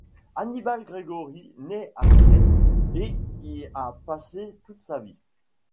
Annibale Gregori naît à Sienne et y a passé toute sa vie.